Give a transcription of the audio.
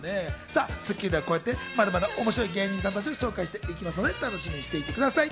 『スッキリ』ではこうやってまだまだ面白い芸人さんを紹介していきますので、楽しみにしていてください。